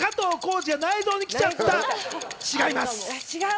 違います。